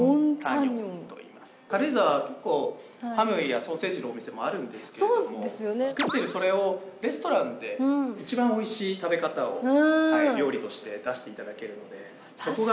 軽井沢は結構ハムやソーセージのお店もあるんですけれども作っているそれをレストランで一番おいしい食べ方を料理として出していただけるので。